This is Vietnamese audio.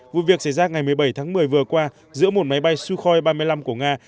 vụ việc xảy ra ngày một mươi bảy tháng một mươi vừa qua giữa một máy bay sukhoi ba mươi năm của nga